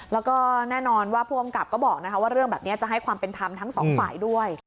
แล้วก็แน่นอนว่าผู้กำกับก็บอกว่าเรื่องแบบนี้จะให้ความเป็นธรรมทั้งสองฝ่ายด้วย